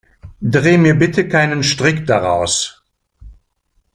Dreh mir bitte keinen Strick daraus.